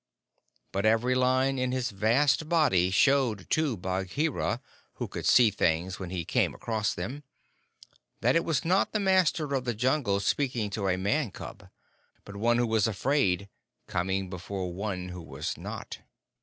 But every line in his vast body showed to Bagheera, who could see things when he came across them, that it was not the Master of the Jungle speaking to a Man cub, but one who was afraid coming before one who was not.